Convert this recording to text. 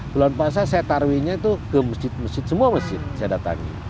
bulan puasa saya tarwihnya itu ke masjid masjid semua masjid saya datangi